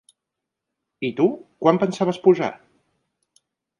I tu, quan pensaves pujar?